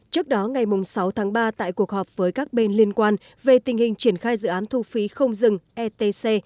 trước đó ngày sáu tháng ba tại cuộc họp với các bên liên quan về tình hình triển khai dự án thu phí không dừng etc